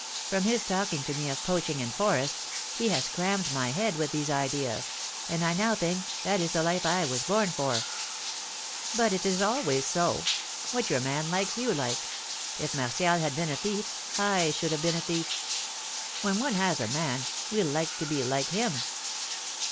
From his talking to me of poaching and forests, he has crammed my head with these ideas, and I now think that is the life I was born for. But it is always so. What your man likes, you like. If Martial had been a thief, I should have been a thief. When one has a man, we like to be like him."